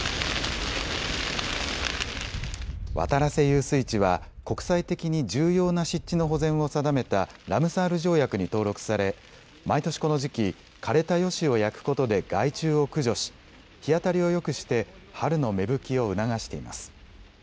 渡良瀬遊水地は国際的に重要な湿地の保全を定めたラムサール条約に登録され毎年この時期、枯れたヨシを焼くことで害虫を駆除し日当たりをよくして春の芽吹きを促しています。